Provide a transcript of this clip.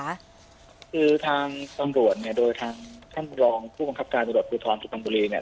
คือทางตำรวจเนี่ยโดยทางท่านบรองผู้กำลักษณ์การโดรดภูทรสุขภังบุรีเนี่ย